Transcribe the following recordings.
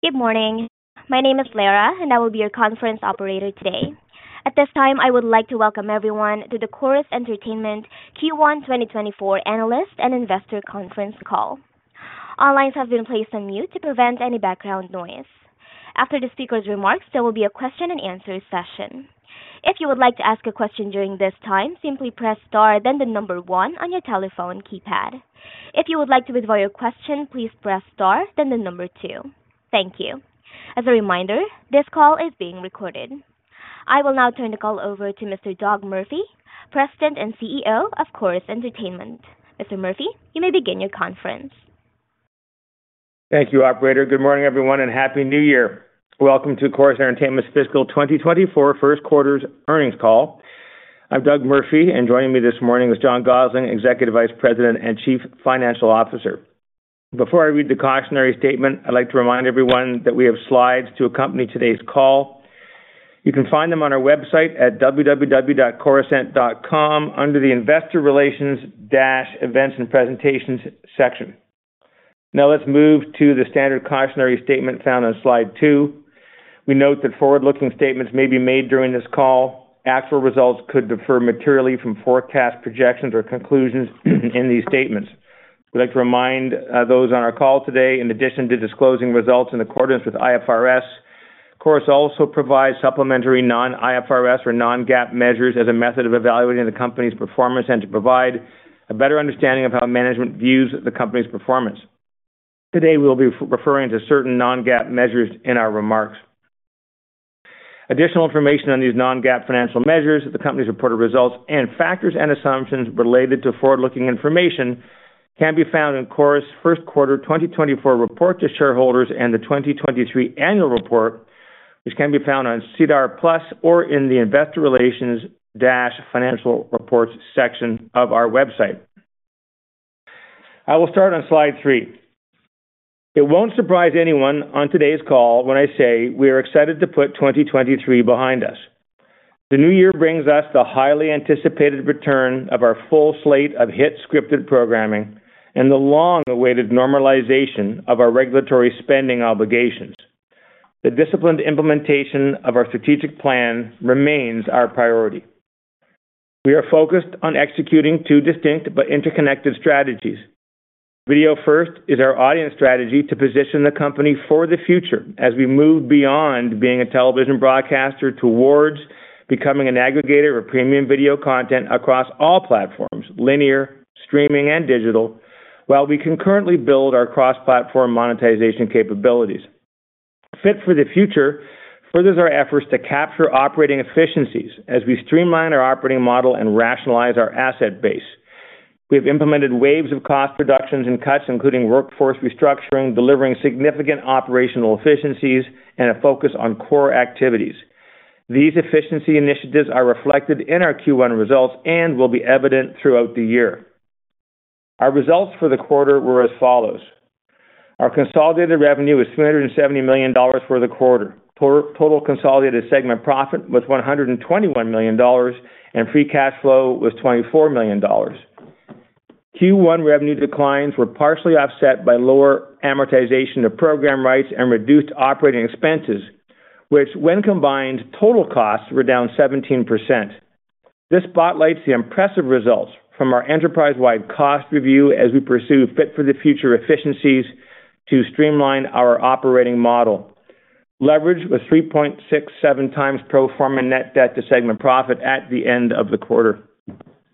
Good morning. My name is Lara, and I will be your conference operator today. At this time, I would like to welcome everyone to the Corus Entertainment Q1 2024 Analyst and Investor Conference Call. All lines have been placed on mute to prevent any background noise. After the speaker's remarks, there will be a question and answer session. If you would like to ask a question during this time, simply press star, then the number one on your telephone keypad. If you would like to withdraw your question, please press star, then the number two. Thank you. As a reminder, this call is being recorded. I will now turn the call over to Mr. Doug Murphy, President and CEO of Corus Entertainment. Mr. Murphy, you may begin your conference. Thank you, operator. Good morning, everyone, and happy New Year. Welcome to Corus Entertainment's fiscal 2024 first quarter's earnings call. I'm Doug Murphy, and joining me this morning is John Gossling, Executive Vice President and Chief Financial Officer. Before I read the cautionary statement, I'd like to remind everyone that we have slides to accompany today's call. You can find them on our website at www.corusent.com under the Investor Relations-Events and Presentations section. Now let's move to the standard cautionary statement found on slide two. We note that forward-looking statements may be made during this call. Actual results could differ materially from forecast projections or conclusions in these statements. We'd like to remind those on our call today, in addition to disclosing results in accordance with IFRS, Corus also provides supplementary non-IFRS or non-GAAP measures as a method of evaluating the company's performance and to provide a better understanding of how management views the company's performance. Today, we'll be referring to certain non-GAAP measures in our remarks. Additional information on these non-GAAP financial measures, the company's reported results and factors and assumptions related to forward-looking information can be found in Corus' first quarter 2024 report to shareholders and the 2023 annual report, which can be found on SEDAR+ or in the Investor Relations-Financial Reports section of our website. I will start on slide three. It won't surprise anyone on today's call when I say we are excited to put 2023 behind us. The new year brings us the highly anticipated return of our full slate of hit scripted programming and the long-awaited normalization of our regulatory spending obligations. The disciplined implementation of our strategic plan remains our priority. We are focused on executing two distinct but interconnected strategies. Video-first is our audience strategy to position the company for the future as we move beyond being a television broadcaster towards becoming an aggregator of premium video content across all platforms, linear, streaming, and digital, while we concurrently build our cross-platform monetization capabilities. Fit for the Future furthers our efforts to capture operating efficiencies as we streamline our operating model and rationalize our asset base. We've implemented waves of cost reductions and cuts, including workforce restructuring, delivering significant operational efficiencies, and a focus on core activities. These efficiency initiatives are reflected in our Q1 results and will be evident throughout the year. Our results for the quarter were as follows: Our consolidated revenue was 370 million dollars for the quarter. Total consolidated segment profit was 121 million dollars, and free cash flow was 24 million dollars. Q1 revenue declines were partially offset by lower amortization of program rights and reduced operating expenses, which, when combined, total costs were down 17%. This spotlights the impressive results from our enterprise-wide cost review as we pursue Fit for the Future efficiencies to streamline our operating model. Leverage was 3.67x pro forma net debt to segment profit at the end of the quarter.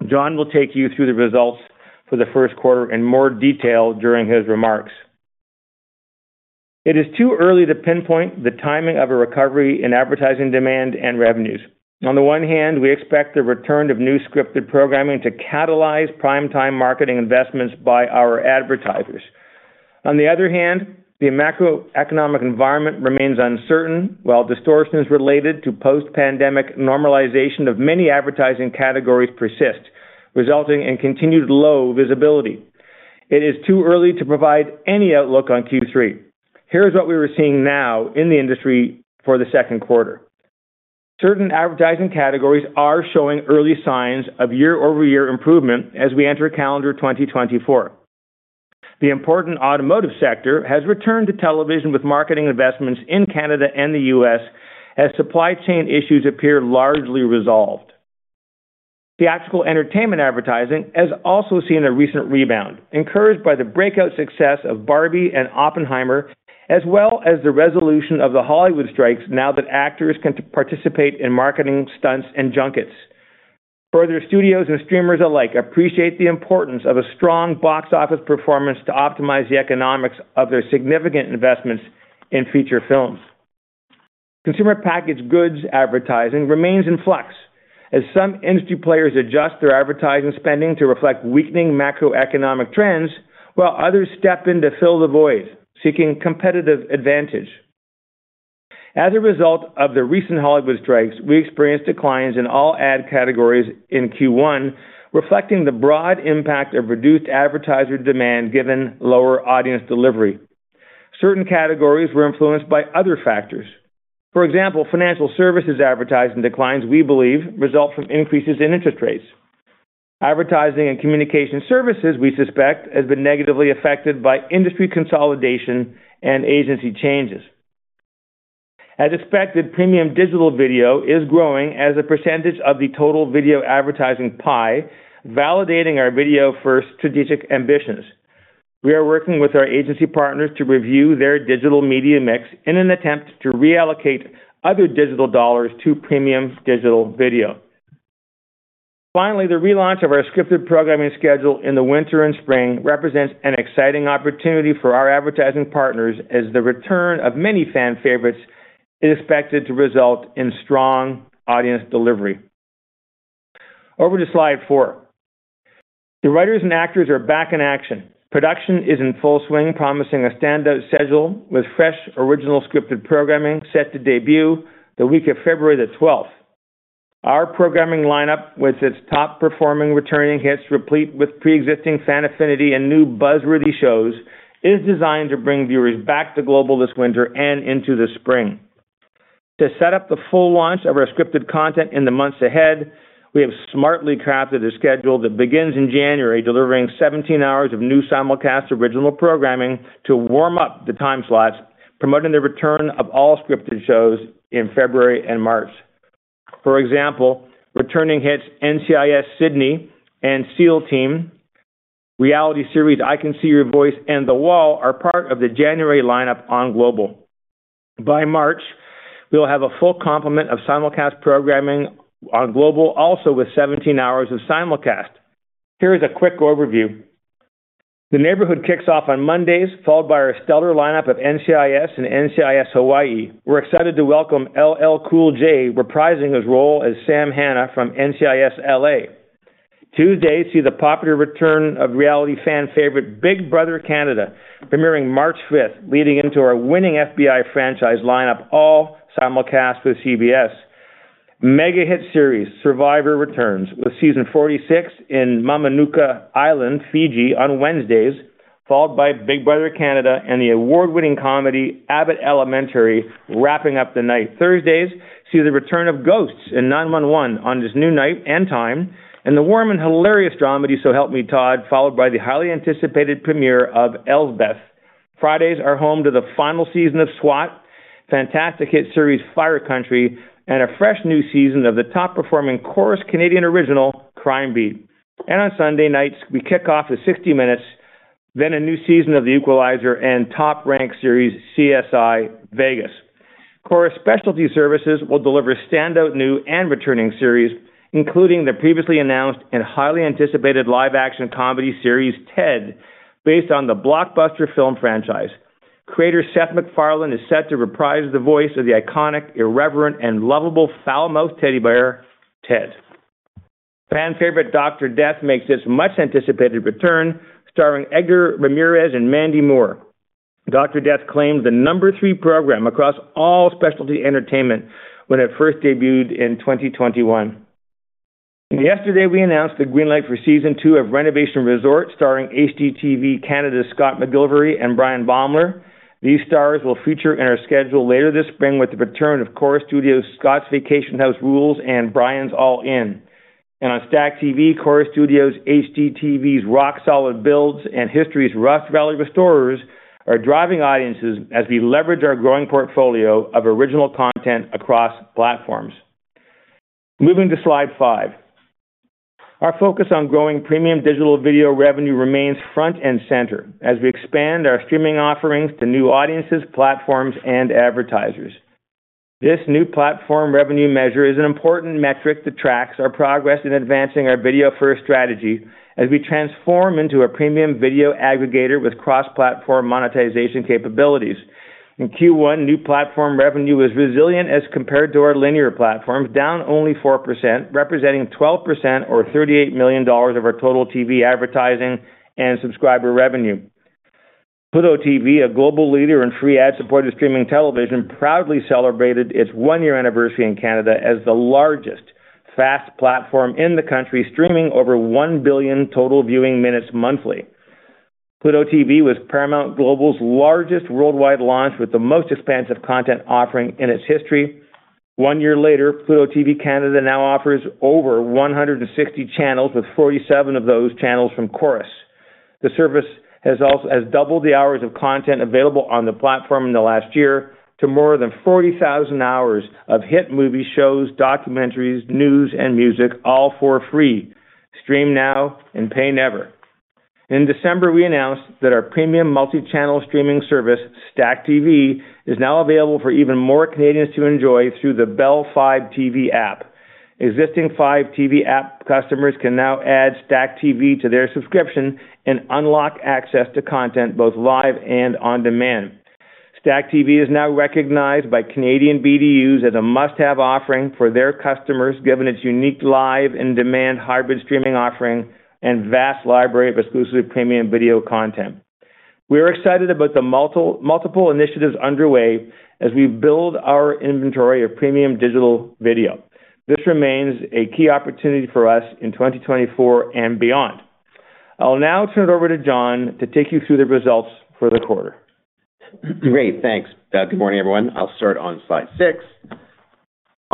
John will take you through the results for the first quarter in more detail during his remarks. It is too early to pinpoint the timing of a recovery in advertising demand and revenues. On the one hand, we expect the return of new scripted programming to catalyze prime-time marketing investments by our advertisers. On the other hand, the macroeconomic environment remains uncertain, while distortions related to post-pandemic normalization of many advertising categories persist, resulting in continued low visibility. It is too early to provide any outlook on Q3. Here is what we were seeing now in the industry for the second quarter. Certain advertising categories are showing early signs of year-over-year improvement as we enter calendar 2024. The important automotive sector has returned to television with marketing investments in Canada and the U.S. as supply chain issues appear largely resolved. Theatrical entertainment advertising has also seen a recent rebound, encouraged by the breakout success of Barbie and Oppenheimer, as well as the resolution of the Hollywood strikes now that actors can participate in marketing stunts and junkets. Further, studios and streamers alike appreciate the importance of a strong box office performance to optimize the economics of their significant investments in feature films. Consumer packaged goods advertising remains in flux as some industry players adjust their advertising spending to reflect weakening macroeconomic trends, while others step in to fill the void, seeking competitive advantage. As a result of the recent Hollywood strikes, we experienced declines in all ad categories in Q1, reflecting the broad impact of reduced advertiser demand given lower audience delivery. Certain categories were influenced by other factors. For example, financial services advertising declines, we believe, result from increases in interest rates. Advertising and communication services, we suspect, has been negatively affected by industry consolidation and agency changes. As expected, premium digital video is growing as a percentage of the total video advertising pie, validating our video-first strategic ambitions. We are working with our agency partners to review their digital media mix in an attempt to reallocate other digital dollars to premium digital video. Finally, the relaunch of our scripted programming schedule in the winter and spring represents an exciting opportunity for our advertising partners, as the return of many fan favorites is expected to result in strong audience delivery. Over to slide four. The writers and actors are back in action. Production is in full swing, promising a standout schedule with fresh, original scripted programming set to debut the week of February 12. Our programming lineup, with its top-performing returning hits, replete with pre-existing fan affinity and new buzzworthy shows, is designed to bring viewers back to Global this winter and into the spring. To set up the full launch of our scripted content in the months ahead, we have smartly crafted a schedule that begins in January, delivering 17 hours of new simulcast original programming to warm up the time slots, promoting the return of all scripted shows in February and March. For example, returning hits NCIS: Sydney and SEAL Team, reality series I Can See Your Voice and The Wall are part of the January lineup on Global. By March, we will have a full complement of simulcast programming on Global, also with 17 hours of simulcast. Here is a quick overview. The Neighborhood kicks off on Mondays, followed by our stellar lineup of NCIS and NCIS: Hawai'i. We're excited to welcome LL Cool J, reprising his role as Sam Hanna from NCIS: LA. Tuesday see the popular return of reality fan favorite Big Brother Canada, premiering March fifth, leading into our winning FBI franchise lineup, all simulcast with CBS. Mega-hit series Survivor returns with season 46 in Mamanuca Island, Fiji, on Wednesdays, followed by Big Brother Canada and the award-winning comedy Abbott Elementary, wrapping up the night. Thursdays see the return of Ghosts and 9-1-1 on this new night and time, and the warm and hilarious dramedy, So Help Me Todd, followed by the highly anticipated premiere of Elsbeth. Fridays are home to the final season of S.W.A.T., fantastic hit series Fire Country, and a fresh new season of the top-performing Corus Canadian original, Crime Beat. And on Sunday nights, we kick off with 60 Minutes, then a new season of The Equalizer and top-ranked series, CSI: Vegas. Corus Specialty Services will deliver standout new and returning series, including the previously announced and highly anticipated live-action comedy series, Ted, based on the blockbuster film franchise. Creator Seth MacFarlane is set to reprise the voice of the iconic, irreverent, and lovable foul-mouthed teddy bear, Ted. Fan favorite Dr. Death makes its much-anticipated return, starring Edgar Ramírez and Mandy Moore. Dr. Death claimed the number three program across all specialty entertainment when it first debuted in 2021. And yesterday, we announced the green light for season two of Renovation Resort, starring HGTV Canada's Scott McGillivray and Bryan Baeumler. These stars will feature in our schedule later this spring with the return of Corus Studios' Scott's Vacation House Rules and Bryan's All In. And on STACKTV, Corus Studios' HGTV's Rock Solid Builds and History's Rust Valley Restorers are driving audiences as we leverage our growing portfolio of original content across platforms. Moving to slide five. Our focus on growing premium digital video revenue remains front and center as we expand our streaming offerings to new audiences, platforms, and advertisers. This new platform revenue measure is an important metric that tracks our progress in advancing our video-first strategy as we transform into a premium video aggregator with cross-platform monetization capabilities. In Q1, new platform revenue was resilient as compared to our linear platforms, down only 4%, representing 12% or 38 million dollars of our total TV advertising and subscriber revenue. Pluto TV, a global leader in free ad-supported streaming television, proudly celebrated its one-year anniversary in Canada as the largest FAST platform in the country, streaming over 1 billion total viewing minutes monthly. Pluto TV was Paramount Global's largest worldwide launch, with the most expansive content offering in its history. One year later, Pluto TV Canada now offers over 160 channels, with 47 of those channels from Corus. The service has also doubled the hours of content available on the platform in the last year to more than 40,000 hours of hit movies, shows, documentaries, news, and music, all for free. Stream now and pay never. In December, we announced that our premium multi-channel streaming service, STACKTV, is now available for even more Canadians to enjoy through the Bell Fibe TV app. Existing Fibe TV app customers can now add STACKTV to their subscription and unlock access to content, both live and on demand. STACKTV is now recognized by Canadian BDUs as a must-have offering for their customers, given its unique live and demand hybrid streaming offering and vast library of exclusive premium video content. We are excited about the multiple initiatives underway as we build our inventory of premium digital video. This remains a key opportunity for us in 2024 and beyond. I'll now turn it over to John to take you through the results for the quarter. Great, thanks. Good morning, everyone. I'll start on slide six.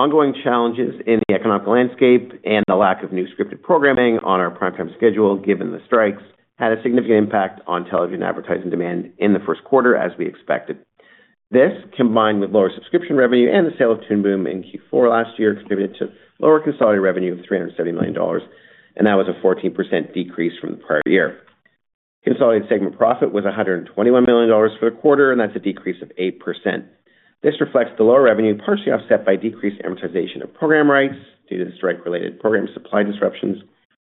Ongoing challenges in the economic landscape and the lack of new scripted programming on our primetime schedule, given the strikes, had a significant impact on television advertising demand in the first quarter, as we expected. This, combined with lower subscription revenue and the sale of Toon Boom in Q4 last year, contributed to lower consolidated revenue of 370 million dollars, and that was a 14% decrease from the prior year. Consolidated segment profit was 121 million dollars for the quarter, and that's a decrease of 8%. This reflects the lower revenue, partially offset by decreased amortization of program rights due to the strike-related program supply disruptions,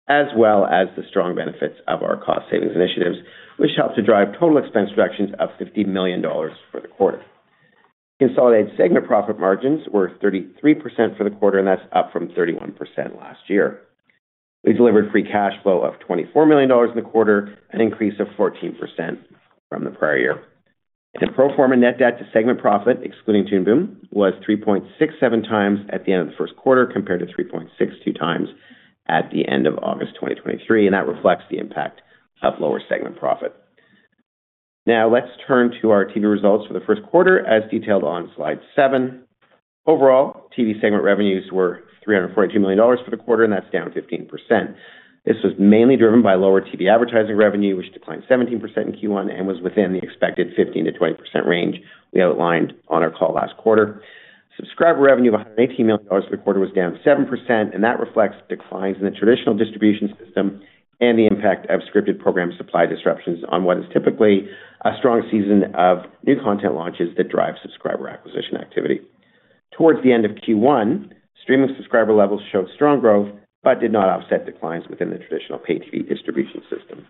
as well as the strong benefits of our cost savings initiatives, which helped to drive total expense reductions of 50 million dollars for the quarter. Consolidated segment profit margins were 33% for the quarter, and that's up from 31% last year. We delivered free cash flow of 24 million dollars in the quarter, an increase of 14% from the prior year. And pro forma net debt to segment profit, excluding Toon Boom, was 3.67x at the end of the first quarter, compared to 3.62x at the end of August 2023, and that reflects the impact of lower segment profit. Now, let's turn to our TV results for the first quarter, as detailed on slide seven. Overall, TV segment revenues were 342 million dollars for the quarter, and that's down 15%. This was mainly driven by lower TV advertising revenue, which declined 17% in Q1 and was within the expected 15%-20% range we outlined on our call last quarter. Subscriber revenue of CAD 118 million for the quarter was down 7%, and that reflects declines in the traditional distribution system and the impact of scripted program supply disruptions on what is typically a strong season of new content launches that drive subscriber acquisition activity. Towards the end of Q1, streaming subscriber levels showed strong growth, but did not offset declines within the traditional paid TV distribution system.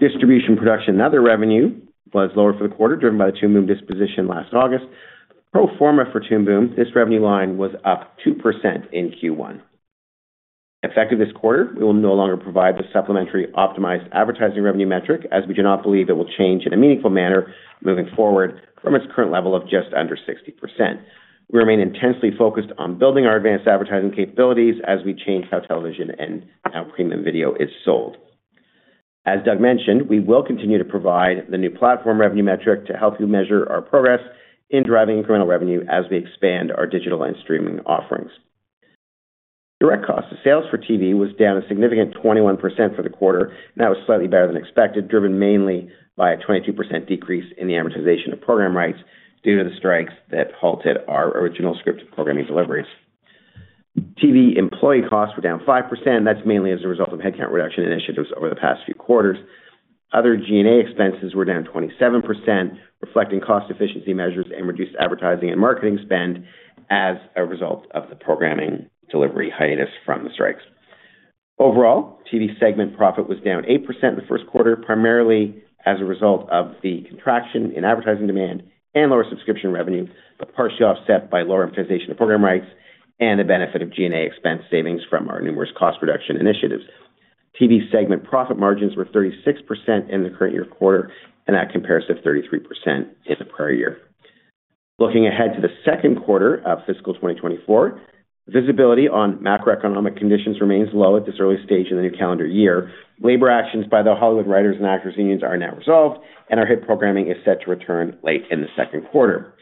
Distribution production and other revenue was lower for the quarter, driven by the Toon Boom disposition last August. Pro forma for Toon Boom, this revenue line was up 2% in Q1. Effective this quarter, we will no longer provide the supplementary optimized advertising revenue metric, as we do not believe it will change in a meaningful manner moving forward from its current level of just under 60%. We remain intensely focused on building our advanced advertising capabilities as we change how television and how premium video is sold. As Doug mentioned, we will continue to provide the new platform revenue metric to help you measure our progress in driving incremental revenue as we expand our digital and streaming offerings. Direct cost of sales for TV was down a significant 21% for the quarter. That was slightly better than expected, driven mainly by a 22% decrease in the amortization of program rights due to the strikes that halted our original scripted programming deliveries. TV employee costs were down 5%. That's mainly as a result of headcount reduction initiatives over the past few quarters. Other G&A expenses were down 27%, reflecting cost efficiency measures and reduced advertising and marketing spend as a result of the programming delivery hiatus from the strikes. Overall, TV segment profit was down 8% in the first quarter, primarily as a result of the contraction in advertising demand and lower subscription revenue, but partially offset by lower amortization of program rights and the benefit of G&A expense savings from our numerous cost reduction initiatives. TV segment profit margins were 36% in the current year quarter, and that compares to 33% in the prior year. Looking ahead to the second quarter of fiscal 2024, visibility on macroeconomic conditions remains low at this early stage in the new calendar year. Labor actions by the Hollywood writers and actors unions are now resolved, and our hit programming is set to return late in the second quarter.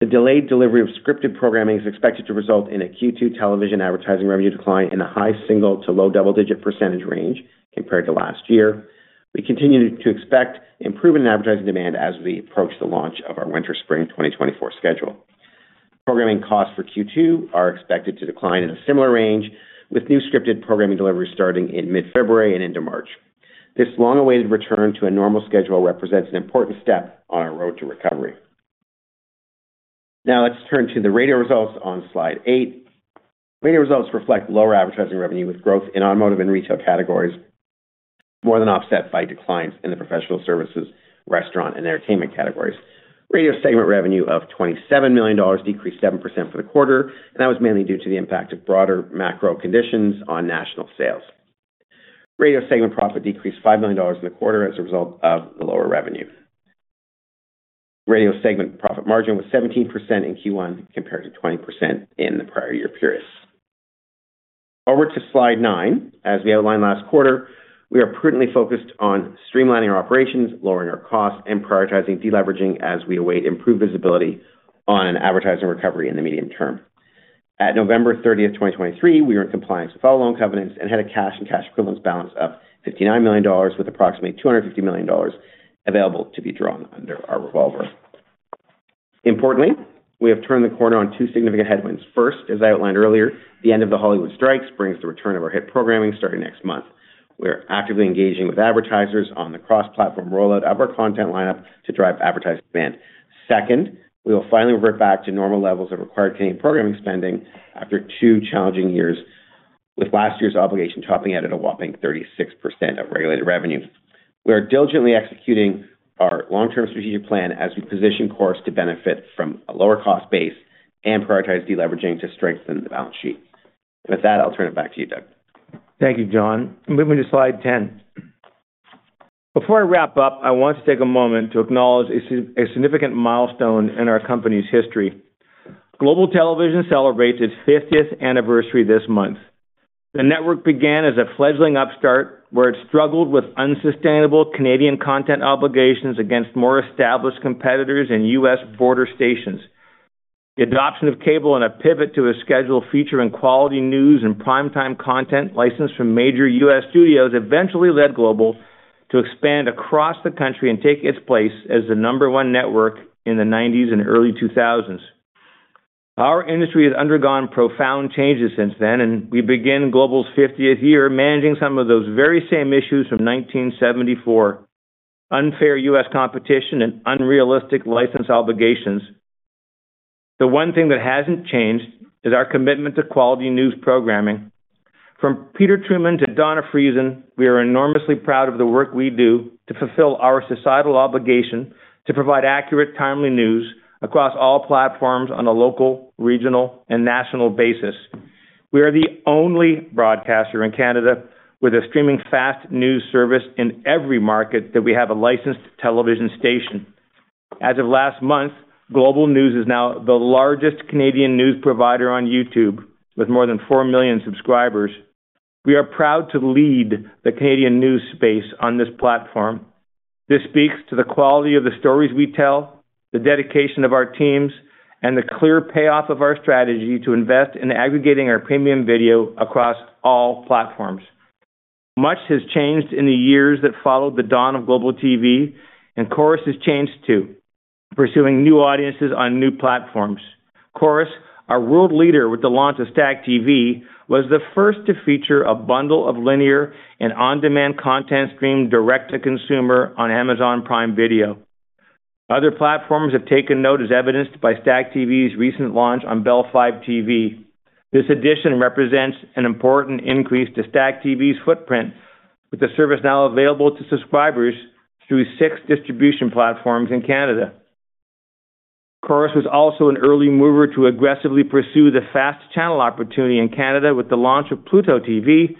The delayed delivery of scripted programming is expected to result in a Q2 television advertising revenue decline in a high single- to low double-digit percentage range compared to last year. We continue to expect improvement in advertising demand as we approach the launch of our winter/spring 2024 schedule. Programming costs for Q2 are expected to decline in a similar range, with new scripted programming deliveries starting in mid-February and into March. This long-awaited return to a normal schedule represents an important step on our road to recovery. Now, let's turn to the radio results on slide eight. Radio results reflect lower advertising revenue, with growth in automotive and retail categories more than offset by declines in the professional services, restaurant, and entertainment categories. Radio Segment revenue of 27 million dollars decreased 7% for the quarter, and that was mainly due to the impact of broader macro conditions on national sales. Radio Segment profit decreased 5 million dollars in the quarter as a result of the lower revenue. Radio Segment profit margin was 17% in Q1, compared to 20% in the prior year period. Over to slide nine. As we outlined last quarter, we are prudently focused on streamlining our operations, lowering our costs, and prioritizing deleveraging as we await improved visibility on an advertising recovery in the medium term. At November 30, 2023, we were in compliance with all loan covenants and had a cash and cash equivalents balance of 59 million dollars, with approximately 250 million dollars available to be drawn under our revolver. Importantly, we have turned the corner on two significant headwinds. First, as I outlined earlier, the end of the Hollywood strikes brings the return of our hit programming starting next month. We are actively engaging with advertisers on the cross-platform rollout of our content lineup to drive advertising demand. Second, we will finally revert back to normal levels of required programming spending after two challenging years, with last year's obligation topping out at a whopping 36% of regulated revenue. We are diligently executing our long-term strategic plan as we position Corus to benefit from a lower cost base and prioritize deleveraging to strengthen the balance sheet. With that, I'll turn it back to you, Doug. Thank you, John. Moving to slide 10. Before I wrap up, I want to take a moment to acknowledge a significant milestone in our company's history. Global Television celebrates its 50th anniversary this month. The network began as a fledgling upstart, where it struggled with unsustainable Canadian content obligations against more established competitors and U.S. border stations. The adoption of cable and a pivot to a schedule featuring quality news and primetime content licensed from major U.S. studios, eventually led Global to expand across the country and take its place as the number one network in the 1990s and early 2000s. Our industry has undergone profound changes since then, and we begin Global's 50th year managing some of those very same issues from 1974: unfair U.S. competition and unrealistic license obligations. The one thing that hasn't changed is our commitment to quality news programming. From Peter Trueman to Dawna Friesen, we are enormously proud of the work we do to fulfill our societal obligation to provide accurate, timely news across all platforms on a local, regional, and national basis. We are the only broadcaster in Canada with a streaming FAST news service in every market that we have a licensed television station. As of last month, Global News is now the largest Canadian news provider on YouTube, with more than 4 million subscribers. We are proud to lead the Canadian news space on this platform. This speaks to the quality of the stories we tell, the dedication of our teams, and the clear payoff of our strategy to invest in aggregating our premium video across all platforms. Much has changed in the years that followed the dawn of Global TV, and Corus has changed, too, pursuing new audiences on new platforms. Corus, a world leader with the launch of STACKTV, was the first to feature a bundle of linear and on-demand content streamed direct to consumer on Amazon Prime Video. Other platforms have taken note, as evidenced by STACKTV's recent launch on Bell Fibe TV. This addition represents an important increase to STACKTV's footprint, with the service now available to subscribers through six distribution platforms in Canada. Corus was also an early mover to aggressively pursue the fast channel opportunity in Canada with the launch of Pluto TV,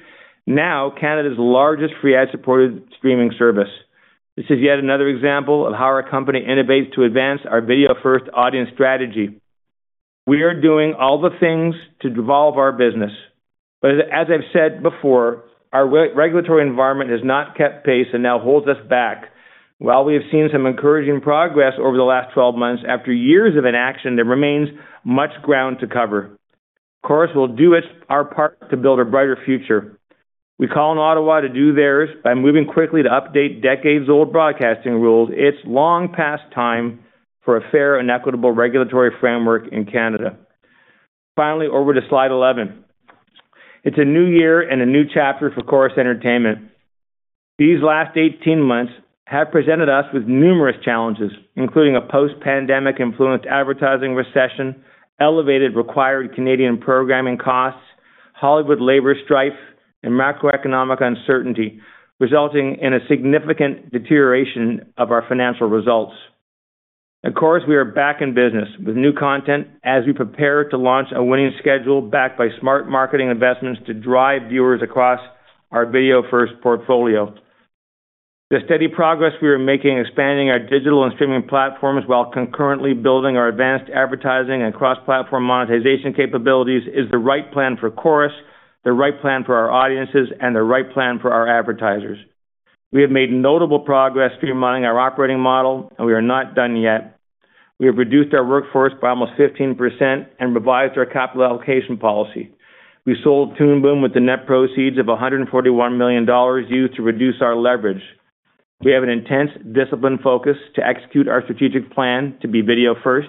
now Canada's largest free ad-supported streaming service. This is yet another example of how our company innovates to advance our video-first audience strategy. We are doing all the things to devolve our business, but as I've said before, our regulatory environment has not kept pace and now holds us back. While we have seen some encouraging progress over the last 12 months, after years of inaction, there remains much ground to cover. Corus will do its, our part to build a brighter future. We call on Ottawa to do theirs by moving quickly to update decades-old broadcasting rules. It's long past time for a fair and equitable regulatory framework in Canada. Finally, over to slide 11. It's a new year and a new chapter for Corus Entertainment. These last 18 months have presented us with numerous challenges, including a post-pandemic influenced advertising recession, elevated required Canadian programming costs, Hollywood labor strife, and macroeconomic uncertainty, resulting in a significant deterioration of our financial results. At Corus, we are back in business with new content as we prepare to launch a winning schedule backed by smart marketing investments to drive viewers across our video-first portfolio. The steady progress we are making, expanding our digital and streaming platforms while concurrently building our advanced advertising and cross-platform monetization capabilities, is the right plan for Corus, the right plan for our audiences, and the right plan for our advertisers. We have made notable progress streamlining our operating model, and we are not done yet. We have reduced our workforce by almost 15% and revised our capital allocation policy. We sold Toon Boom with the net proceeds of $141 million, used to reduce our leverage. We have an intense, disciplined focus to execute our strategic plan to be video-first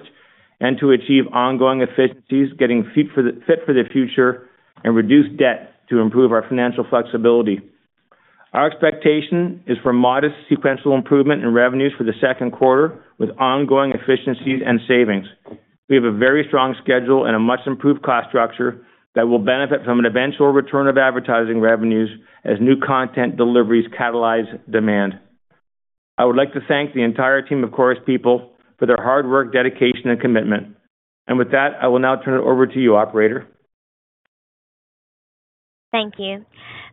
and to achieve ongoing efficiencies, getting Fit for the Future and reduce debt to improve our financial flexibility. Our expectation is for modest sequential improvement in revenues for the second quarter, with ongoing efficiencies and savings. We have a very strong schedule and a much-improved cost structure that will benefit from an eventual return of advertising revenues as new content deliveries catalyze demand. I would like to thank the entire team of Corus people for their hard work, dedication, and commitment. With that, I will now turn it over to you, operator. Thank you.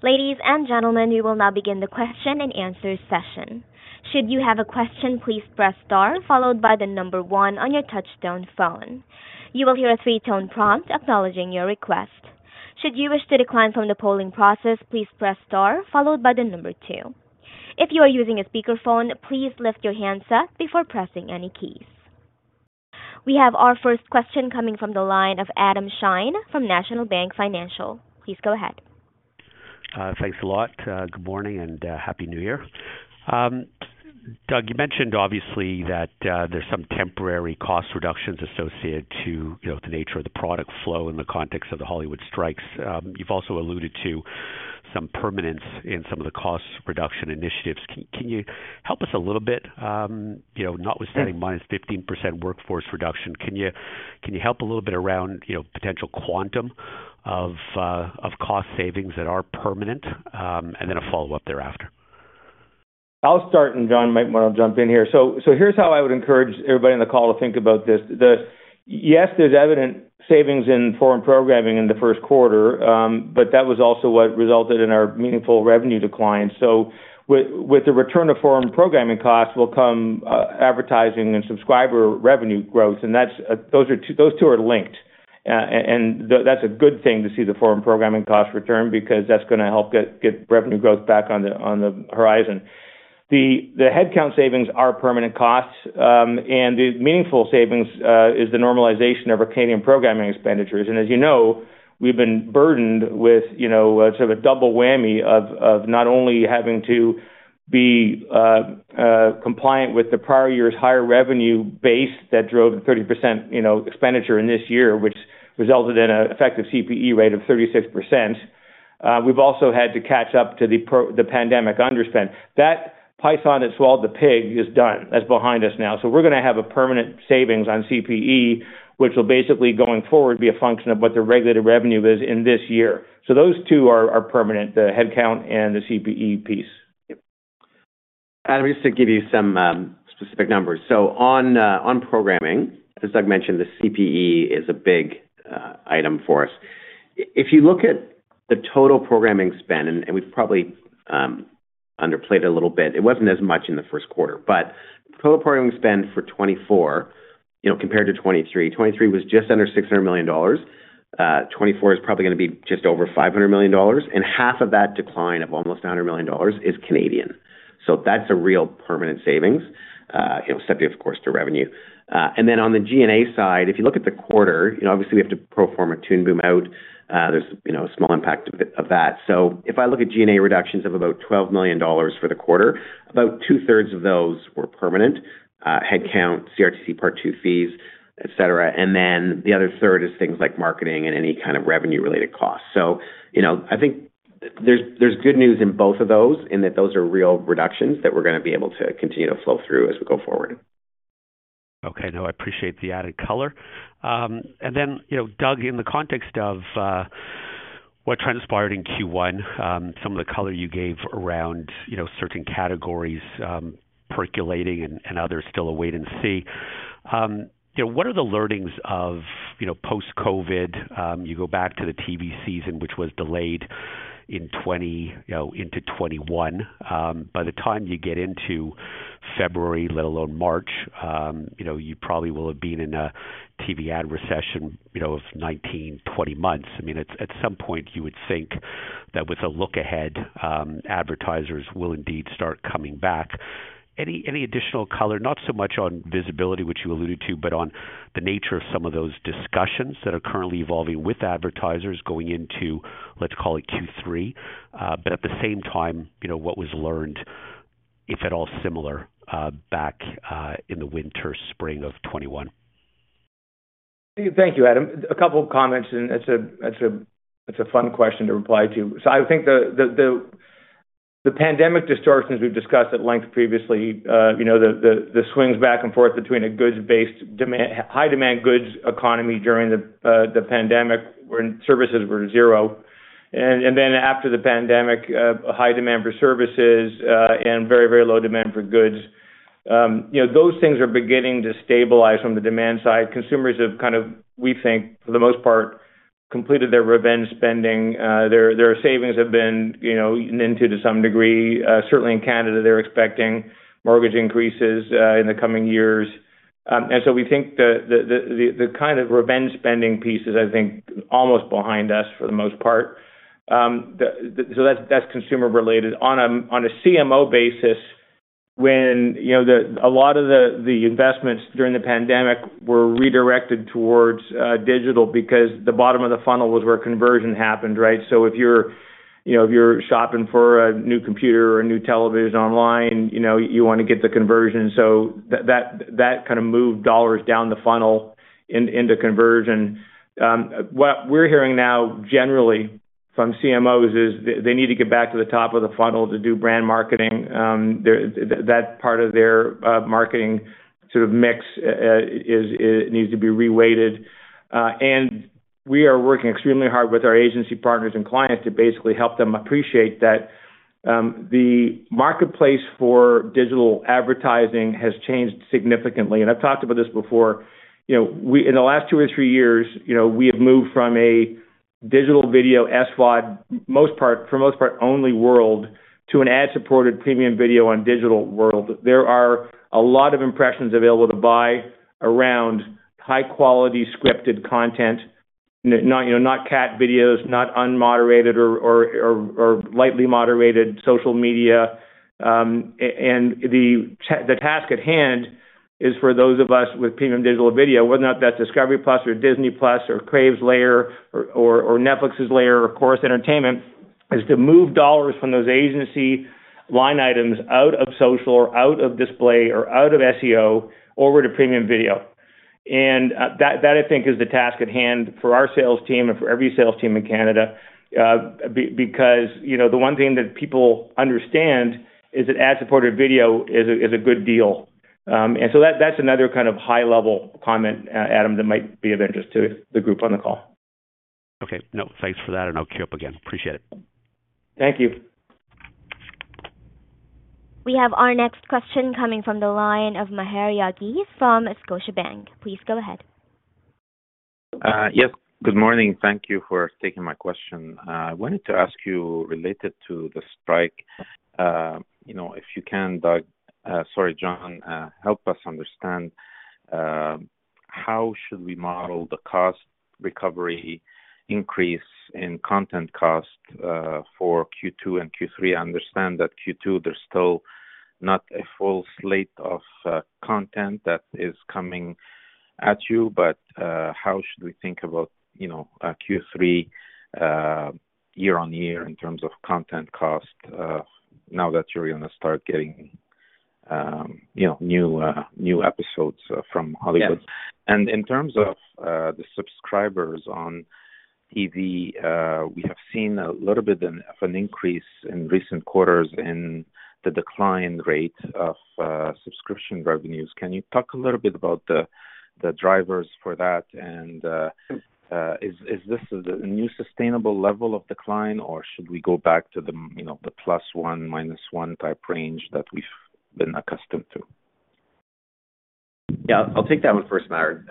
Ladies and gentlemen, we will now begin the question and answer session. Should you have a question, please press star followed by one on your touchtone phone. You will hear a three-tone prompt acknowledging your request. Should you wish to decline from the polling process, please press star followed by two. If you are using a speakerphone, please lift your handset before pressing any keys. We have our first question coming from the line of Adam Shine from National Bank Financial. Please go ahead. Thanks a lot. Good morning, and happy New Year. Doug, you mentioned obviously that there's some temporary cost reductions associated to, you know, the nature of the product flow in the context of the Hollywood strikes. You've also alluded to some permanence in some of the cost reduction initiatives. Can you help us a little bit? You know, notwithstanding -15% workforce reduction, can you help a little bit around, you know, potential quantum of cost savings that are permanent? And then a follow-up thereafter. I'll start, and John might want to jump in here. So here's how I would encourage everybody on the call to think about this. Yes, there's evident savings in foreign programming in the first quarter, but that was also what resulted in our meaningful revenue decline. So with the return of foreign programming costs will come advertising and subscriber revenue growth, and that's those two are linked. And that's a good thing to see the foreign programming cost return, because that's going to help get revenue growth back on the horizon. The headcount savings are permanent costs, and the meaningful savings is the normalization of our Canadian programming expenditures. As you know, we've been burdened with, you know, sort of a double whammy of not only having to be compliant with the prior year's higher revenue base that drove the 30% expenditure in this year, which resulted in an effective CPE rate of 36%. We've also had to catch up to the pandemic underspend. That python that swallowed the pig is done, that's behind us now. So we're going to have a permanent savings on CPE, which will basically, going forward, be a function of what the regulated revenue is in this year. So those two are permanent, the headcount and the CPE piece. Adam, just to give you some specific numbers. So on programming, as Doug mentioned, the CPE is a big item for us. If you look at the total programming spend, and we've probably underplayed it a little bit, it wasn't as much in the first quarter, but total programming spend for 2024, you know, compared to 2023. 2023 was just under 600 million dollars. 2024 is probably going to be just over 500 million dollars, and half of that decline of almost 100 million dollars is Canadian. So that's a real permanent savings, you know, subject, of course, to revenue. And then on the G&A side, if you look at the quarter, you know, obviously, we have to pro forma Toon Boom out. There's, you know, a small impact of that. So if I look at G&A reductions of about 12 million dollars for the quarter, about 2/3 of those were permanent, headcount, CRTC Part II fees, et cetera. And then the other third is things like marketing and any kind of revenue-related costs. So, you know, I think there's, there's good news in both of those, in that those are real reductions that we're going to be able to continue to flow through as we go forward. Okay, now I appreciate the added color. And then, you know, Doug, in the context of what transpired in Q1, some of the color you gave around, you know, certain categories, percolating and others still a wait and see. You know, what are the learnings of, you know, post-COVID? You go back to the TV season, which was delayed in 2020, you know, into 2021. By the time you get into February, let alone March, you know, you probably will have been in a TV ad recession, you know, of 19, 20 months. I mean, at some point you would think that with a look ahead, advertisers will indeed start coming back. Any additional color? Not so much on visibility, which you alluded to, but on the nature of some of those discussions that are currently evolving with advertisers going into, let's call it Q3, but at the same time, you know, what was learned, if at all similar, back in the winter, spring of 2021. Thank you, Adam. A couple of comments, and that's a fun question to reply to. So I think the pandemic distortions we've discussed at length previously, you know, the swings back and forth between a goods-based demand, high demand goods economy during the pandemic, when services were zero. And then after the pandemic, a high demand for services, and very, very low demand for goods. You know, those things are beginning to stabilize from the demand side. Consumers have kind of, we think, for the most part, completed their revenge spending. Their savings have been, you know, eaten into to some degree. Certainly in Canada, they're expecting mortgage increases in the coming years. And so we think the kind of revenge spending piece is, I think, almost behind us for the most part. So that's consumer related. On a CMO basis, when you know, a lot of the investments during the pandemic were redirected towards digital because the bottom of the funnel was where conversion happened, right? So if you're, you know, if you're shopping for a new computer or a new television online, you know, you want to get the conversion. So that kind of moved dollars down the funnel into conversion. What we're hearing now generally from CMOs is they need to get back to the top of the funnel to do brand marketing. That part of their marketing sort of mix is, it needs to be reweighted. And we are working extremely hard with our agency partners and clients to basically help them appreciate that, the marketplace for digital advertising has changed significantly, and I've talked about this before. You know, we in the last two or three years, you know, we have moved from a digital video SVOD, most part, for the most part, only world, to an ad-supported premium video on digital world. There are a lot of impressions available to buy around high-quality scripted content. Not, you know, not cat videos, not unmoderated or lightly moderated social media. And the task at hand is for those of us with premium digital video, whether or not that's Discovery+ or Disney+ or Crave's layer or Netflix's layer or Corus Entertainment, is to move dollars from those agency line items out of social or out of display or out of SEO over to premium video. And that I think is the task at hand for our sales team and for every sales team in Canada. Because, you know, the one thing that people understand is that ad-supported video is a good deal. And so that's another kind of high-level comment, Adam, that might be of interest to the group on the call. Okay. No, thanks for that, and I'll queue up again. Appreciate it. Thank you. We have our next question coming from the line of Maher Yaghi from Scotiabank. Please go ahead. Yes. Good morning. Thank you for taking my question. I wanted to ask you, related to the strike, you know, if you can, Doug, sorry, John, help us understand how should we model the cost recovery increase in content costs for Q2 and Q3? I understand that Q2, there's still not a full slate of content that is coming at you, but how should we think about, you know, Q3 year-on-year in terms of content cost now that you're gonna start getting, you know, new new episodes from Hollywood? And in terms of the subscribers on TV, we have seen a little bit of an increase in recent quarters in the decline rate of subscription revenues. Can you talk a little bit about the drivers for that? And is this a new sustainable level of decline, or should we go back to the, you know, plus-one, minus-one type range that we've been accustomed to? Yeah, I'll take that one first, Maher.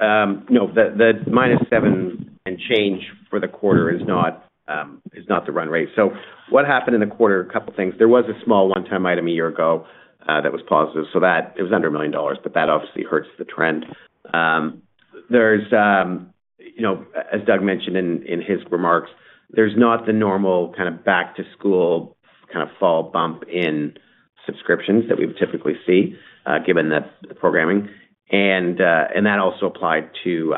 No, the -7 and change for the quarter is not the run rate. So what happened in the quarter? A couple of things. There was a small one-time item a year ago that was positive, so that... It was under 1 million dollars, but that obviously hurts the trend. There's, you know, as Doug mentioned in his remarks, there's not the normal kind of back-to-school, kind of fall bump in subscriptions that we would typically see, given the programming. And that also applied to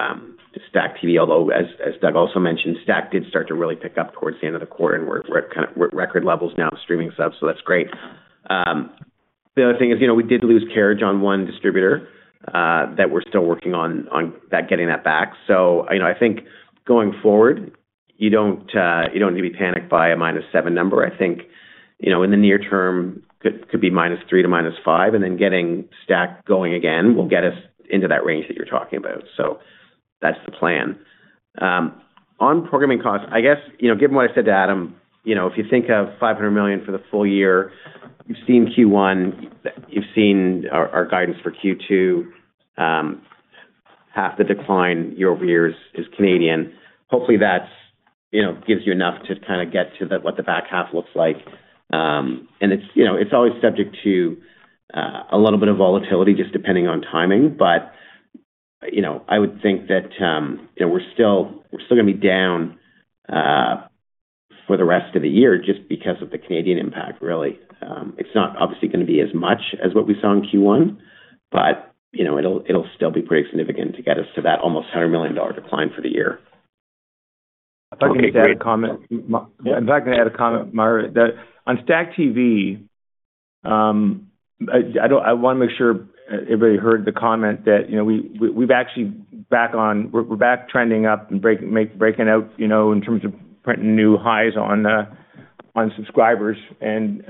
STACKTV. Although, as Doug also mentioned, STACKTV did start to really pick up towards the end of the quarter, and we're kind of—we're at record levels now in streaming subs, so that's great. The other thing is, you know, we did lose carriage on one distributor that we're still working on getting that back. So, you know, I think going forward, you don't need to be panicked by a -7 number. I think, you know, in the near term, could be -3 to -5, and then getting Stack going again will get us into that range that you're talking about. So that's the plan. On programming costs, I guess, you know, given what I said to Adam, you know, if you think of 500 million for the full year, you've seen Q1, you've seen our guidance for Q2, half the decline year-over-year is Canadian. Hopefully, that's, you know, gives you enough to kinda get to what the back half looks like. And it's, you know, it's always subject to a little bit of volatility, just depending on timing. But, you know, I would think that, you know, we're still gonna be down for the rest of the year just because of the Canadian impact, really. It's not obviously gonna be as much as what we saw in Q1, but, you know, it'll still be pretty significant to get us to that almost 100 million dollar decline for the year. If I can just add a comment. I'm just going to add a comment, Maher. That on STACKTV, I don't-- I wanna make sure everybody heard the comment that, you know, we've actually back on-- we're back trending up and breaking out, you know, in terms of printing new highs on subscribers. And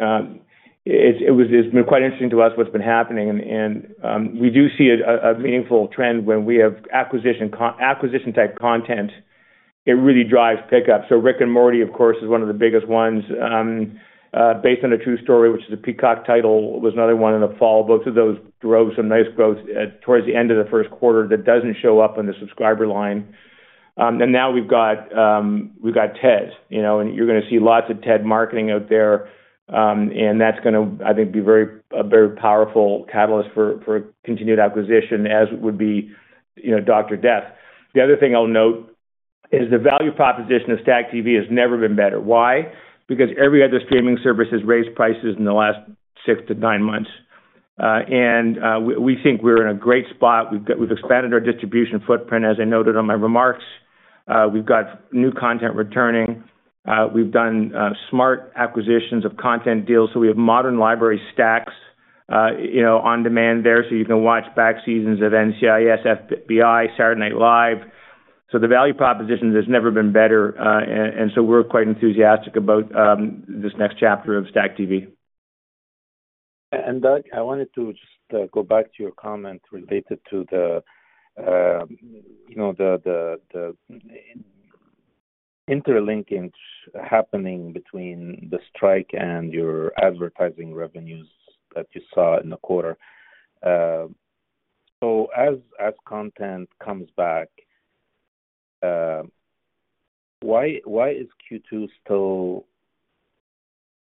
it's been quite interesting to us what's been happening. And we do see a meaningful trend when we have acquisition-type content. It really drives pickup. So Rick and Morty, of course, is one of the biggest ones. Based on a True Story, which is a Peacock title, was another one in the fall. Both of those drove some nice growth towards the end of the first quarter that doesn't show up on the subscriber line. And now we've got, we've got Ted, you know, and you're gonna see lots of Ted marketing out there. And that's gonna, I think, be a very powerful catalyst for continued acquisition, as would be, you know, Dr. Death. The other thing I'll note is the value proposition of STACKTV has never been better. Why? Because every other streaming service has raised prices in the last six-nine months. And we think we're in a great spot. We've got—we've expanded our distribution footprint, as I noted on my remarks. We've got new content returning. We've done smart acquisitions of content deals, so we have modern library stacks, you know, on demand there, so you can watch back seasons of NCIS, FBI, Saturday Night Live. So the value proposition has never been better, and so we're quite enthusiastic about this next chapter of STACKTV. And, Doug, I wanted to just go back to your comment related to the, you know, the interlinkage happening between the strike and your advertising revenues that you saw in the quarter. So as content comes back, why is Q2 still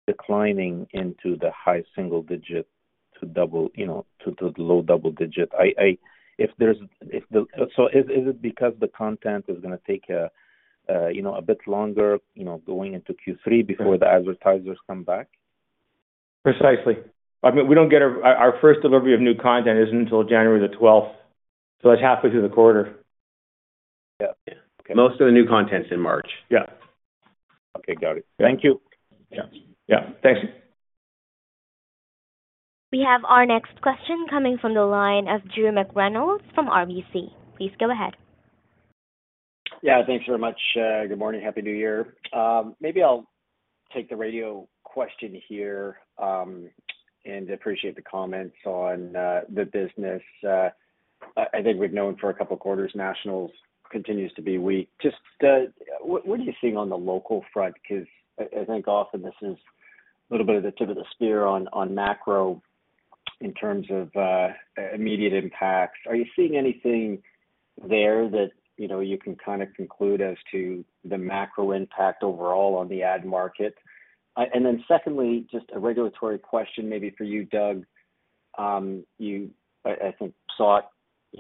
declining into the high single digit to double, you know, to the low double digit? So is it because the content is gonna take a bit longer, you know, going into Q3 before the advertisers come back? Precisely. I mean, we don't get our first delivery of new content isn't until January the 12th, so that's halfway through the quarter. Yeah. Okay. Most of the new content's in March. Yeah. Okay, got it. Thank you. Yeah. Yeah. Thanks. We have our next question coming from the line of Drew McReynolds from RBC. Please go ahead. Yeah, thanks very much. Good morning. Happy New Year. Maybe I'll take the radio question here, and appreciate the comments on the business. I think we've known for a couple of quarters, nationals continues to be weak. Just, what are you seeing on the local front? Because I think often this is a little bit of the tip of the spear on macro in terms of immediate impacts, are you seeing anything there that, you know, you can kind of conclude as to the macro impact overall on the ad market? And then secondly, just a regulatory question, maybe for you, Doug. You, I think, sought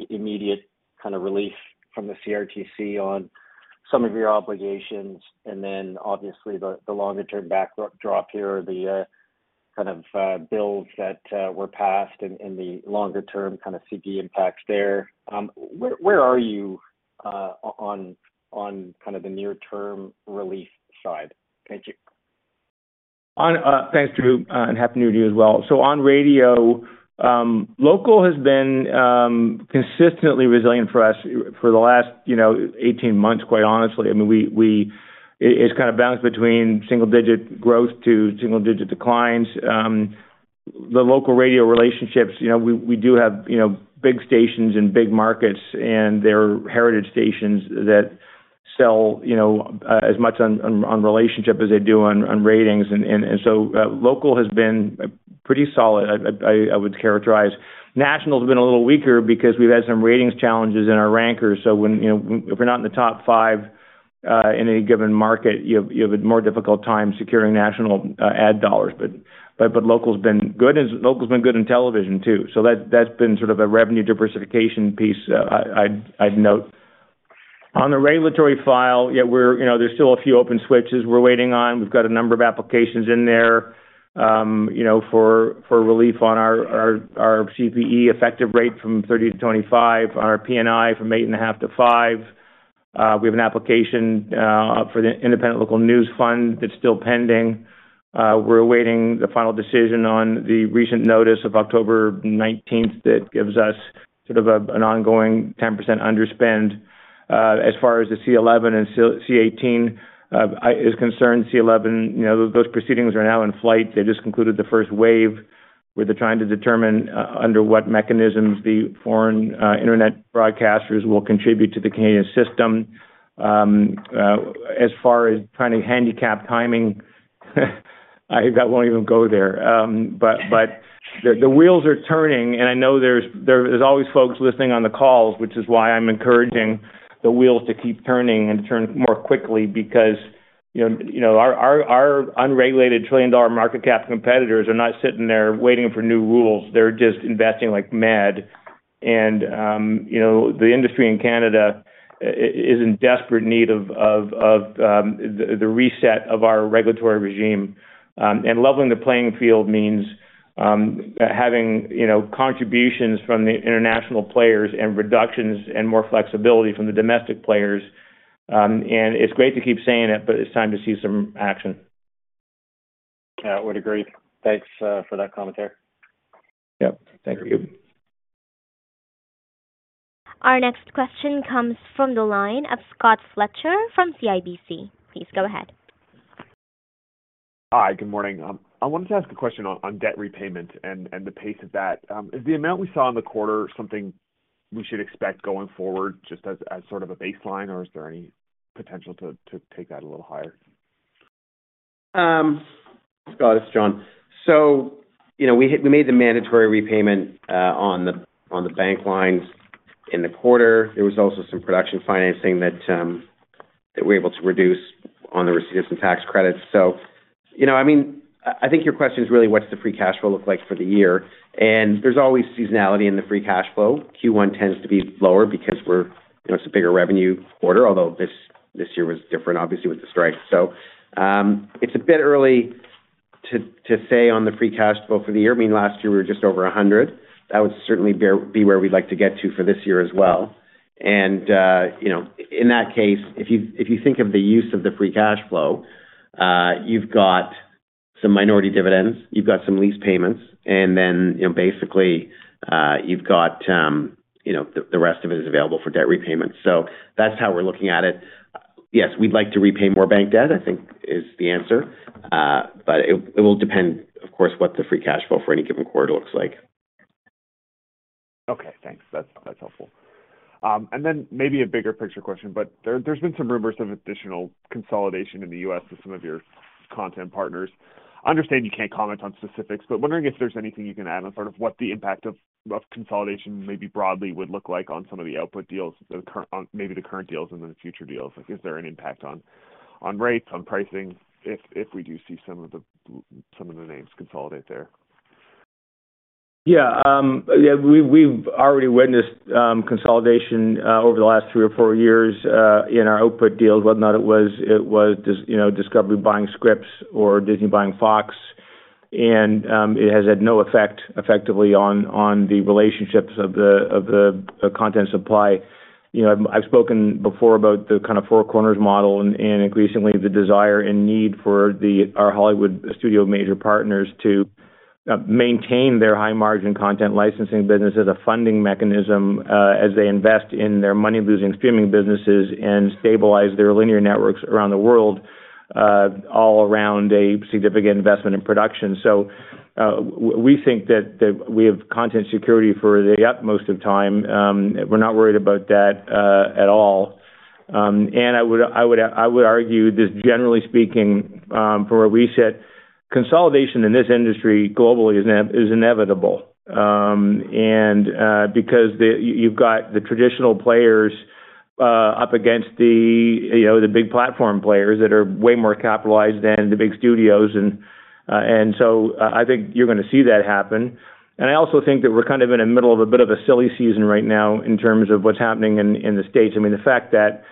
immediate kind of relief from the CRTC on some of your obligations, and then obviously, the longer term backdrop here, or the kind of bills that were passed and the longer term kind of CP impacts there. Where are you on kind of the near term relief side? Thank you. Oh, thanks, Drew, and happy New Year to you as well. So on radio, local has been consistently resilient for us for the last, you know, 18 months, quite honestly. I mean, it's kind of bounced between single-digit growth to single-digit declines. The local radio relationships, you know, we do have, you know, big stations and big markets, and they're heritage stations that sell, you know, as much on relationship as they do on ratings. And so, local has been pretty solid. I would characterize. National has been a little weaker because we've had some ratings challenges in our rankers. So when, you know, if we're not in the top five, in any given market, you have a more difficult time securing national ad dollars. But local's been good, and local's been good in television, too. So that's been sort of a revenue diversification piece, I'd note. On the regulatory file, yeah, you know, there's still a few open switches we're waiting on. We've got a number of applications in there, you know, for relief on our CPE effective rate from 30 to 25, our PNI from 8.5 to 5. We have an application for the Independent Local News Fund that's still pending. We're awaiting the final decision on the recent notice of October 19, that gives us sort of an ongoing 10% underspend. As far as the C-11 and C-18 is concerned, C-11, you know, those proceedings are now in flight. They just concluded the first wave, where they're trying to determine under what mechanisms the foreign internet broadcasters will contribute to the Canadian system. As far as trying to handicap timing, I won't even go there. But the wheels are turning, and I know there's always folks listening on the calls, which is why I'm encouraging the wheels to keep turning and turn more quickly. Because, you know, our unregulated trillion-dollar market cap competitors are not sitting there waiting for new rules. They're just investing like mad. And you know, the industry in Canada is in desperate need of the reset of our regulatory regime. And leveling the playing field means having, you know, contributions from the international players and reductions and more flexibility from the domestic players. It's great to keep saying it, but it's time to see some action. Yeah, I would agree. Thanks, for that commentary. Yep. Thank you. Our next question comes from the line of Scott Fletcher from CIBC. Please go ahead. Hi, good morning. I wanted to ask a question on, on debt repayment and, and the pace of that. Is the amount we saw in the quarter something we should expect going forward, just as, as sort of a baseline, or is there any potential to, to take that a little higher? Scott, it's John. So, you know, we made the mandatory repayment on the bank lines in the quarter. There was also some production financing that we're able to reduce on the receipt of some tax credits. So, you know, I mean, I think your question is really: What's the free cash flow look like for the year? And there's always seasonality in the free cash flow. Q1 tends to be lower because we're, you know, it's a bigger revenue quarter, although this year was different, obviously, with the strike. So, it's a bit early to say on the free cash flow for the year. I mean, last year, we were just over 100. That would certainly be where we'd like to get to for this year as well. In that case, if you think of the use of the free cash flow, you've got some minority dividends, you've got some lease payments, and then, you know, basically, you've got the rest of it is available for debt repayment. So that's how we're looking at it. Yes, we'd like to repay more bank debt, I think is the answer. But it will depend, of course, what the free cash flow for any given quarter looks like. Okay, thanks. That's, that's helpful. And then maybe a bigger picture question, but there, there's been some rumors of additional consolidation in the U.S. with some of your content partners. I understand you can't comment on specifics, but wondering if there's anything you can add on sort of what the impact of, of consolidation, maybe broadly, would look like on some of the output deals, the current—on maybe the current deals and then the future deals. Like, is there an impact on, on rates, on pricing, if, if we do see some of the, some of the names consolidate there? Yeah, yeah, we've, we've already witnessed consolidation over the last three or four years in our output deals. Whether or not it was, it was you know, Discovery buying Scripps or Disney buying Fox. And it has had no effect, effectively, on, on the relationships of the, of the, the content supply. You know, I've, I've spoken before about the kind of four corners model and, and increasingly, the desire and need for the-- our Hollywood studio major partners to maintain their high-margin content licensing business as a funding mechanism as they invest in their money-losing streaming businesses and stabilize their linear networks around the world all around a significant investment in production. So we think that, that we have content security for the utmost of time. We're not worried about that at all. I would argue that generally speaking, from where we sit, consolidation in this industry globally is inevitable. And because you've got the traditional players up against, you know, the big platform players that are way more capitalized than the big studios. And so I think you're gonna see that happen. And I also think that we're kind of in the middle of a bit of a silly season right now in terms of what's happening in the States. I mean, the fact that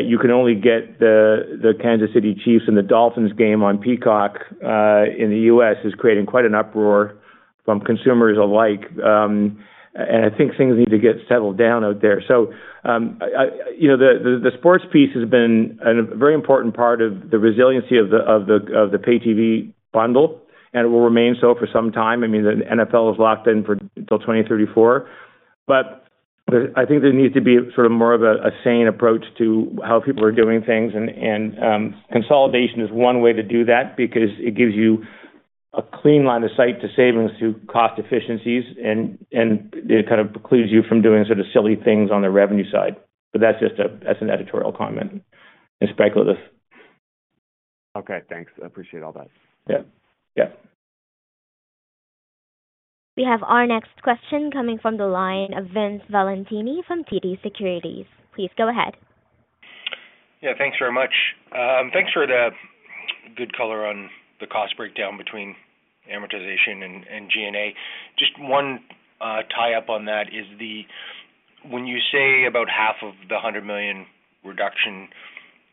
you can only get the Kansas City Chiefs and the Dolphins game on Peacock in the U.S. is creating quite an uproar from consumers alike. And I think things need to get settled down out there. So, you know, the sports piece has been a very important part of the resiliency of the pay TV bundle, and it will remain so for some time. I mean, the NFL is locked in till 2034. But I think there needs to be sort of more of a sane approach to how people are doing things. And consolidation is one way to do that because it gives you a clean line of sight to savings, to cost efficiencies, and it kind of precludes you from doing sort of silly things on the revenue side. But that's just an editorial comment. It's speculative. Okay, thanks. I appreciate all that. Yeah. Yeah. We have our next question coming from the line of Vince Valentini from TD Securities. Please go ahead. Yeah, thanks very much. Thanks for the good color on the cost breakdown between amortization and G&A. Just one tie-up on that is when you say about half of the 100 million reduction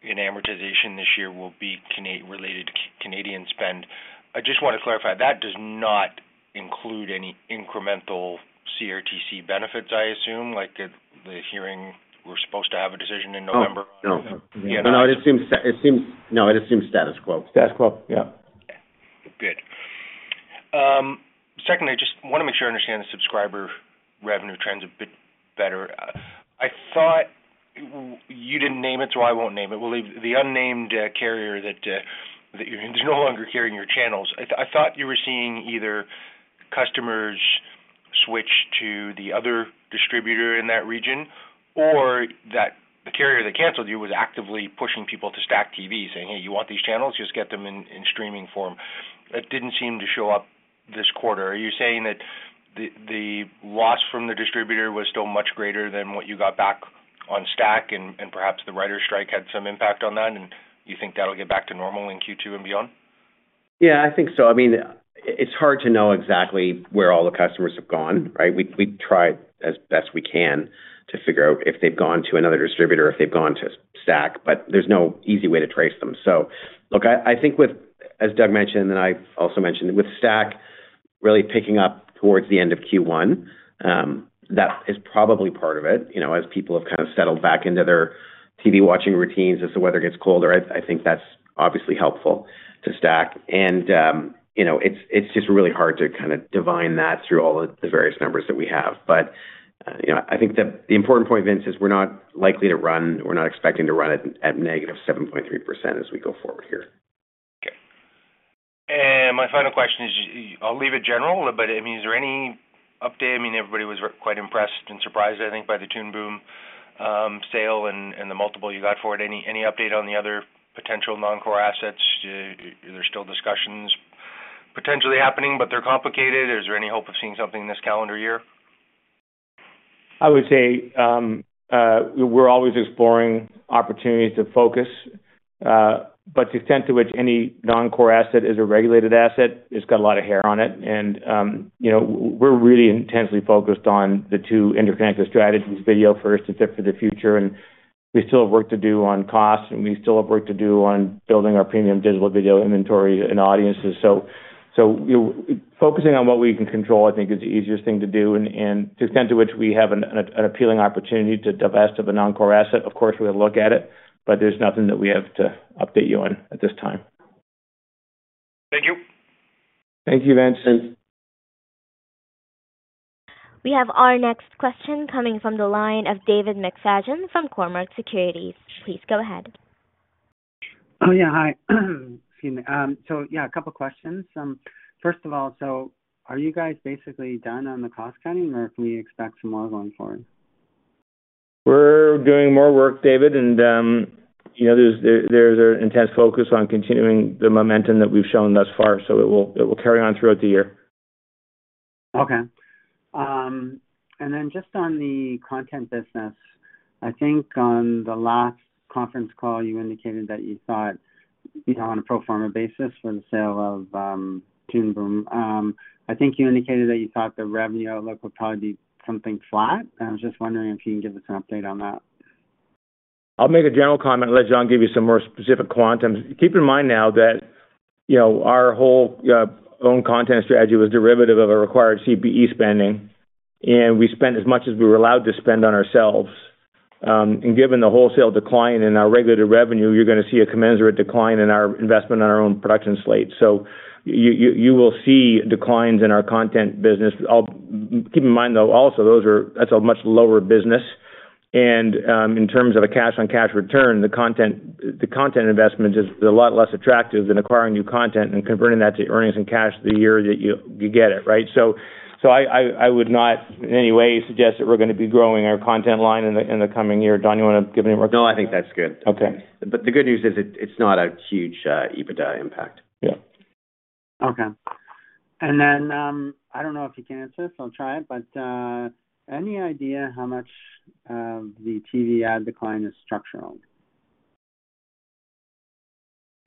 in amortization this year will be Canadian— related to Canadian spend, I just want to clarify, that does not include any incremental CRTC benefits, I assume, like, at the hearing, we're supposed to have a decision in November? No. No, it seems status quo. Status quo, yeah. Good. Secondly, I just want to make sure I understand the subscriber revenue trends a bit better. I thought you didn't name it, so I won't name it. We'll leave the unnamed carrier that is no longer carrying your channels. I thought you were seeing either customers switch to the other distributor in that region, or that the carrier that canceled you was actively pushing people to STACKTV, saying: "Hey, you want these channels? Just get them in streaming form." It didn't seem to show up this quarter. Are you saying that the loss from the distributor was still much greater than what you got back on Stack, and perhaps the writers strike had some impact on that, and you think that'll get back to normal in Q2 and beyond? Yeah, I think so. I mean, it's hard to know exactly where all the customers have gone, right? We try as best we can to figure out if they've gone to another distributor or if they've gone to Stack, but there's no easy way to trace them. So look, I think with, as Doug mentioned, and I've also mentioned, with Stack really picking up towards the end of Q1, that is probably part of it. You know, as people have kind of settled back into their TV watching routines, as the weather gets colder, I think that's obviously helpful to Stack. And, you know, it's just really hard to kind of divine that through all the various numbers that we have. You know, I think the important point, Vince, is we're not likely to run. We're not expecting to run at -7.3% as we go forward here. Okay. And my final question is, I'll leave it general, but, I mean, is there any update? I mean, everybody was quite impressed and surprised, I think, by the Toon Boom sale and, and the multiple you got for it. Any update on the other potential non-core assets? There's still discussions potentially happening, but they're complicated. Is there any hope of seeing something this calendar year? I would say, we're always exploring opportunities to focus, but the extent to which any non-core asset is a regulated asset, it's got a lot of hair on it. And, you know, we're really intensely focused on the two interconnected strategies, video-first and Fit for the Future, and we still have work to do on costs, and we still have work to do on building our premium digital video inventory and audiences. So, focusing on what we can control, I think, is the easiest thing to do. And, to the extent to which we have an appealing opportunity to divest of a non-core asset, of course, we'll look at it, but there's nothing that we have to update you on at this time. Thank you. Thank you, Vincent. We have our next question coming from the line of David McFadgen from Cormark Securities. Please go ahead. Oh, yeah. Hi. Excuse me. So yeah, a couple questions. First of all, so are you guys basically done on the cost cutting, or can we expect some more going forward? We're doing more work, David, and you know, there's an intense focus on continuing the momentum that we've shown thus far, so it will carry on throughout the year. Okay. And then just on the content business, I think on the last conference call, you indicated that you thought, you know, on a pro forma basis for the sale of, Toon Boom, I think you indicated that you thought the revenue outlook would probably be something flat. I was just wondering if you can give us an update on that? I'll make a general comment and let John give you some more specific quantums. Keep in mind now that, you know, our whole own content strategy was derivative of a required CPE spending, and we spent as much as we were allowed to spend on ourselves. And given the wholesale decline in our regulated revenue, you're gonna see a commensurate decline in our investment on our own production slate. So you will see declines in our content business. Keep in mind, though, also, those are, that's a much lower business. And, in terms of a cash-on-cash return, the content, the content investment is a lot less attractive than acquiring new content and converting that to earnings and cash the year that you get it, right? So, I would not in any way suggest that we're gonna be growing our content line in the coming year. John, you want to give any more? No, I think that's good. Okay. The good news is it, it's not a huge EBITDA impact. Yeah. Okay. And then, I don't know if you can answer, so I'll try it, but, any idea how much the TV ad decline is structural?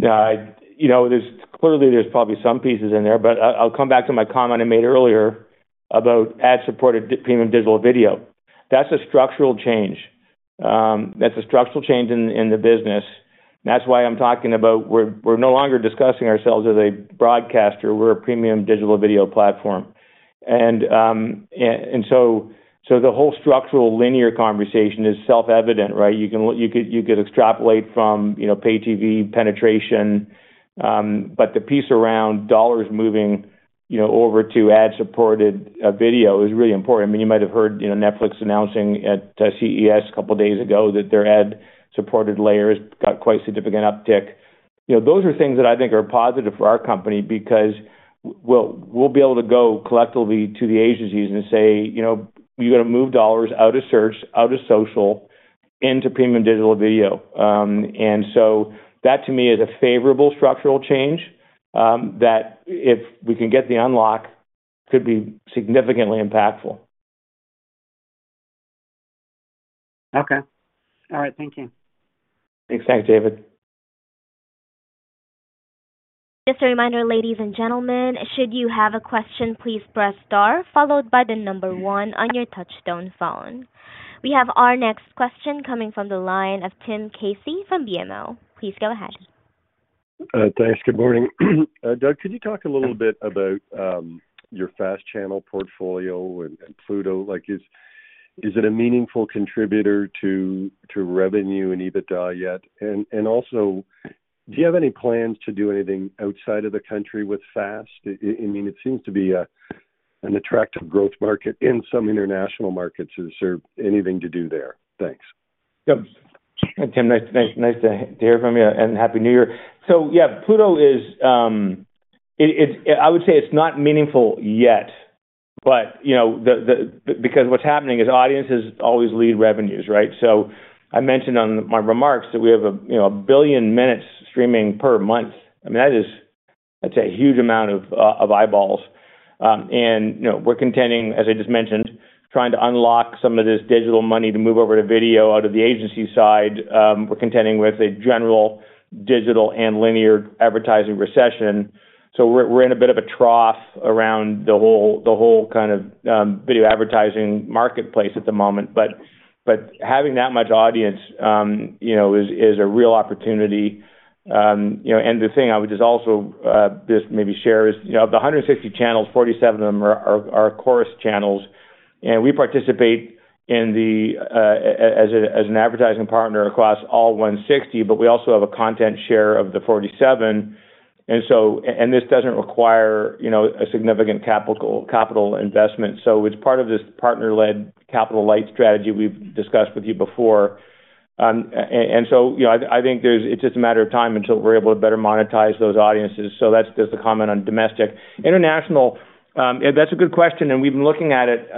Yeah, you know, clearly there's probably some pieces in there, but I'll come back to my comment I made earlier about ad-supported premium digital video. That's a structural change. That's a structural change in the business. That's why I'm talking about we're no longer discussing ourselves as a broadcaster, we're a premium digital video platform. And so the whole structural linear conversation is self-evident, right? You could extrapolate from, you know, pay TV penetration, but the piece around dollars moving, you know, over to ad-supported video is really important. I mean, you might have heard, you know, Netflix announcing at CES a couple of days ago that their ad-supported layers got quite significant uptick. You know, those are things that I think are positive for our company, because we'll be able to go collectively to the agencies and say: "You know, you got to move dollars out of search, out of social, into premium digital video." And so that, to me, is a favorable structural change that if we can get the unlock, could be significantly impactful. Okay. All right. Thank you. Thanks, David. Just a reminder, ladies and gentlemen, should you have a question, please press star followed by the number one on your touchtone phone. We have our next question coming from the line of Tim Casey from BMO. Please go ahead. Thanks. Good morning. Doug, could you talk a little bit about your FAST channel portfolio and Pluto? Like, is it a meaningful contributor to revenue and EBITDA yet? And also, do you have any plans to do anything outside of the country with FAST? I mean, it seems to be an attractive growth market in some international markets. Is there anything to do there? Thanks. Yep. Tim, nice to hear from you, and Happy New Year. So yeah, Pluto is, it's- I would say it's not meaningful yet, but, you know, the, because what's happening is audiences always lead revenues, right? So I mentioned on my remarks that we have a, you know, 1 billion minutes streaming per month. I mean, that is, that's a huge amount of, of eyeballs. And, you know, we're contending, as I just mentioned, trying to unlock some of this digital money to move over to video out of the agency side. We're contending with a general digital and linear advertising recession, so we're, we're in a bit of a trough around the whole, the whole kind of, video advertising marketplace at the moment. But, but having that much audience, you know, is, is a real opportunity. You know, and the thing I would just also just maybe share is, you know, of the 160 channels, 47 of them are Corus channels, and we participate in the, as an advertising partner across all 160, but we also have a content share of the 47. And so, this doesn't require, you know, a significant capital investment. So it's part of this partner-led, capital-light strategy we've discussed with you before. And so, you know, I think there's, it's just a matter of time until we're able to better monetize those audiences. So that's just a comment on domestic. International, that's a good question, and we've been looking at it.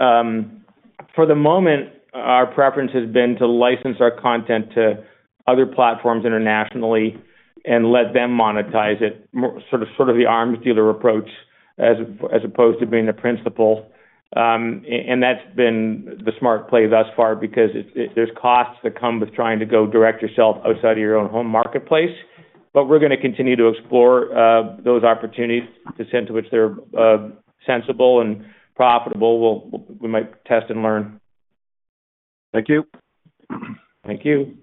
For the moment, our preference has been to license our content to other platforms internationally and let them monetize it, more, sort of, the arms dealer approach, as opposed to being the principal. And that's been the smart play thus far, because it, there's costs that come with trying to go direct yourself outside of your own home marketplace. But we're gonna continue to explore those opportunities to the extent to which they're sensible and profitable. We might test and learn. Thank you. Thank you.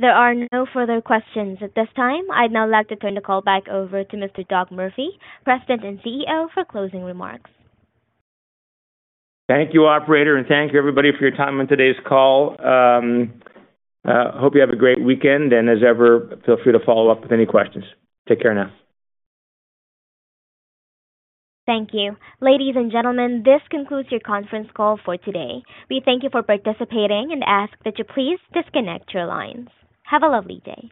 There are no further questions at this time. I'd now like to turn the call back over to Mr. Doug Murphy, President and CEO, for closing remarks. Thank you, operator, and thank you, everybody, for your time on today's call. Hope you have a great weekend, and as ever, feel free to follow up with any questions. Take care now. Thank you. Ladies and gentlemen, this concludes your conference call for today. We thank you for participating and ask that you please disconnect your lines. Have a lovely day.